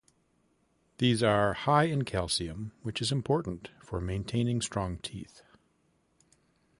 These are high in calcium, which is important for maintaining strong teeth.